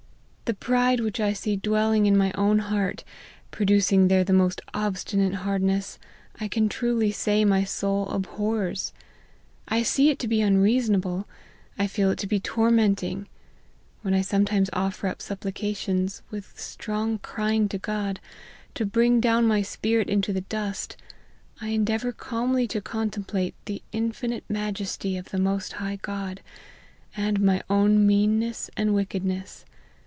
The pride which I see dwell ing in my own heart, producing there the most obstinate hardness, I can truly say my soul abhors. I see it to be unreasonable, I feel it to be torment ing. When I sometimes offer up supplications, with strong crying to God, to bring down my spirit into the dust, I endeavour calmly to contemplate the infinite majesty of the most high God, and my own meanness and wickedness.